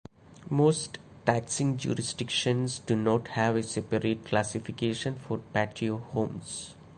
Most taxing jurisdictions do not have a separate classification for patio homes.